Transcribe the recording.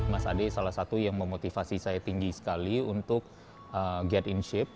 mas ade salah satu yang memotivasi saya tinggi sekali untuk get inship